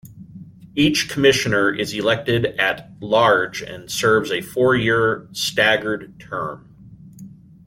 Each commissioner is elected at large and serves a four-year staggered term.